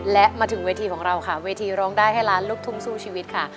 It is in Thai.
และมาถึงเวทีของเราค่ะเวทีร้องได้ให้ล้านลูกทุ่งสู้ชีวิตค่ะ